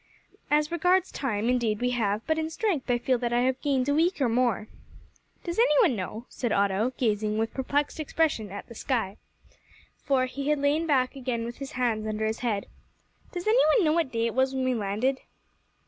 As regards time, indeed, we have; but in strength I feel that I have gained a week or more." "Does any one know," said Otto, gazing with a perplexed expression at the sky for he had lain back again with his hands under his head "does any one know what day it was when we landed?"